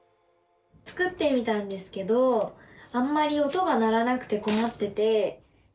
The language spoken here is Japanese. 作ってみたんですけどあんまり音が鳴らなくてこまってて。